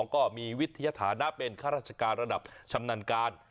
ก็มีวิทยาฐานะเป็นข้าราชการระดับชำนาญการ